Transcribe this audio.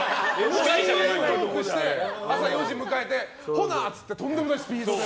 トークして、朝４時迎えてほな！って言ってとんでもないスピードで。